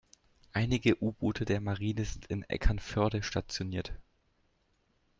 Einige U-Boote der Marine sind in Eckernförde stationiert.